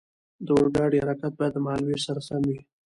د اورګاډي حرکت باید د مهال ویش سره سم وي.